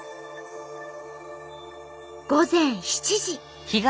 午前７時。